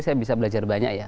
saya bisa belajar banyak ya